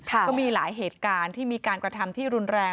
ก็มีหลายเหตุการณ์ที่มีการกระทำที่รุนแรง